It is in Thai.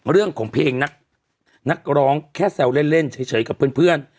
เรื่องของเพลงนักนักร้องแค่แซวเล่นเล่นเฉยเฉยกับเพื่อนเพื่อน